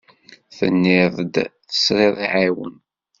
Tenniḍ-d tesriḍ aɛiwen.